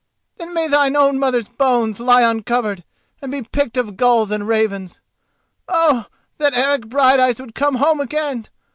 —then may thine own mother's bones lie uncovered, and be picked of gulls and ravens. Oh, that Eric Brighteyes would come home again!